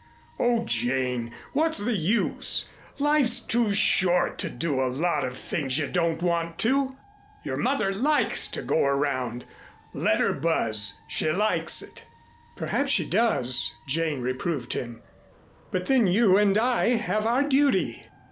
"Oh, Jane, what's the use? Life's too short to do a lot of things you don't want to do. Your mother likes to go around. Let her buzz, she likes it." "Perhaps she does," Jane reproved him. "But then you and I have our duty."